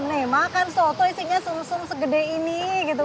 nih makan soto isinya sum sum segede ini gitu